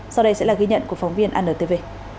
sau đây sẽ là ghi nhận của phóng viên antv